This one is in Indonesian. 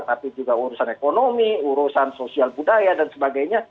tapi juga urusan ekonomi urusan sosial budaya dan sebagainya